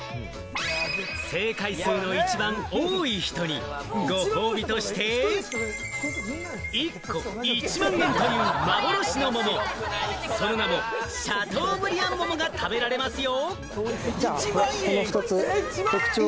正解数の一番多い人にご褒美として、１個１万円という幻の桃、その名もシャトーブリアン桃が食べられますよ。